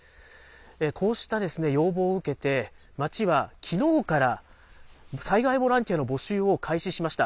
こうした要望を受けて、町はきのうから災害ボランティアの募集を開始しました。